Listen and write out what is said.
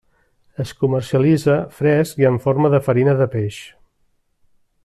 Es comercialitza fresc i en forma de farina de peix.